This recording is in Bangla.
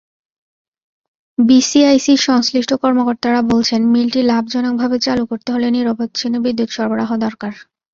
বিসিআইসির সংশ্লিষ্ট কর্মকর্তারা বলছেন, মিলটি লাভজনকভাবে চালু করতে হলে নিরবচ্ছিন্ন বিদ্যুৎ সরবরাহ দরকার।